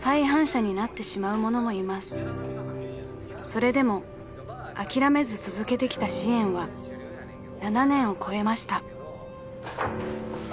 ［それでも諦めず続けてきた支援は７年を超えました］